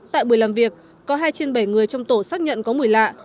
tại buổi làm việc có hai trên bảy người trong tổ xác nhận có mùi lạ